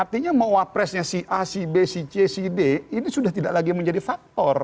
artinya mau wapresnya si a si b si c si b ini sudah tidak lagi menjadi faktor